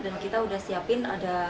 dan kita sudah siapkan ada tiga